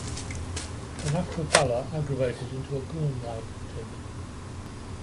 Her natural pallor aggravated into a ghoul-like tint.